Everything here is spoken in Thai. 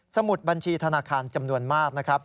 สมุดบัญชีธนาคารจำนวนมาก